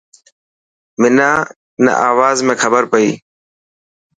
منان آواز ۾ کبر پئي.